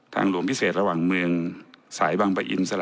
ทางหลวงพิเศษระหว่างเมือง